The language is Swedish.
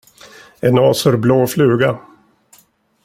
En azurblå fluga.